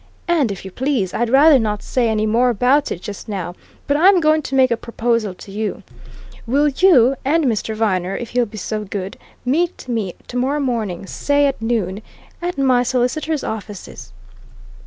And, if you please, I'd rather not say any more about it, just now, but I'm going to make a proposal to you. Will you and Mr. Viner, if he'll be so good meet me tomorrow morning, say at noon, at my solicitors' offices?"